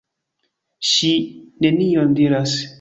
Ŝi nenion diras.